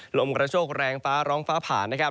ลมกระโชคแรงฟ้าร้องฟ้าผ่านนะครับ